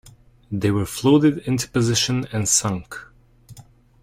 They were floated into position and sunk.